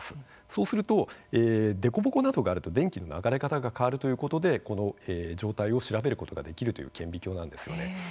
そうすると、凸凹のあとがあると電気の流れ方が変わるということでこの状態を調べることができるという顕微鏡なんですよね。